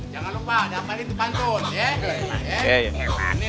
jangan lupa dampak ini dibantun ya